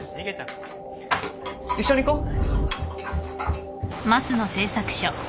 一緒に行こう。